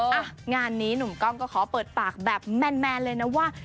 อ่ะงานนี้หนุ่มกล้องก็ขอเปิดปากแบบแมนเลยนะว่า